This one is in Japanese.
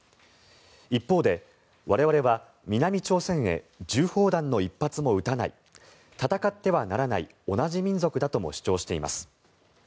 一方で、我々は南朝鮮へ銃砲弾の１発も撃たない戦ってはならない同じ民族だとも主張しています。